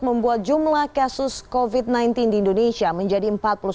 membuat jumlah kasus covid sembilan belas di indonesia menjadi empat puluh satu empat ratus tiga puluh satu